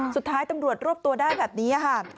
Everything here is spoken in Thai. สุดท้ายตำรวจรวบตัวได้แบบนี้ค่ะ